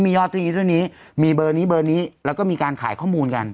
ยอดตรงนี้เท่านี้มีเบอร์นี้เบอร์นี้แล้วก็มีการขายข้อมูลกัน